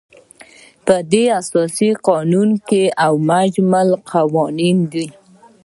په دې کې اساسي قانون او مجمع القوانین دي.